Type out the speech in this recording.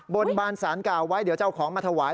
บนบานสารกล่าวไว้เดี๋ยวจะเอาของมาถวาย